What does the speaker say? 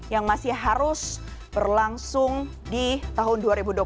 yang masih harus berlangsung di tahun dua ribu dua puluh satu